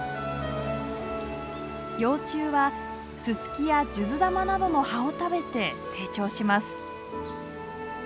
幼虫はススキやジュズダマなどの葉を食べて成長します。